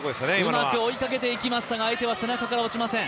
うまく追いかけていきましたが相手は背中から落ちません。